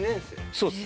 そうです。